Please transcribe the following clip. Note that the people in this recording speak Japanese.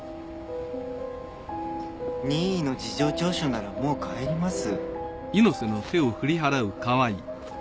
任意の事情聴取ならもう帰ります。